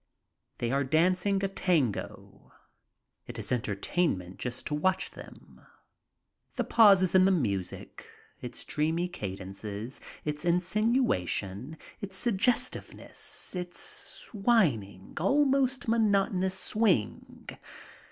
They are dancing a tango. It is entertainment just to watch them. The pauses in the music, its dreamy cadences, its insinuation, its suggestiveness, its whining, almost mo notonous swing.